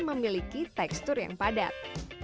memiliki tekstur yang padat